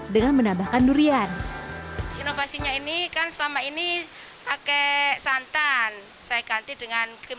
dengan menambahkan durian inovasinya ini kan selama ini pakai santan saya ganti dengan